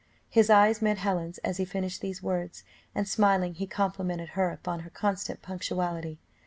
His eyes met Helen's as he finished these words, and smiling, he complimented her upon her constant punctuality.